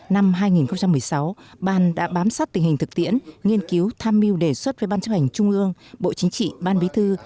năm hai nghìn một mươi sáu ban đã bám sát tình hình thực tiễn nghiên cứu tham mưu đề xuất với ban chấp hành trung ương bộ chính trị ban bí thư